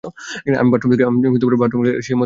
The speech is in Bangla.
আমি বাথরুম থেকে আসলাম, সে মরে গেছে রে ভাই!